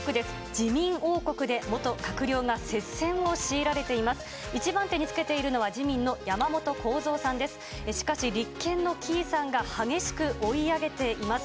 自民王国で元閣僚が接戦を強いられています。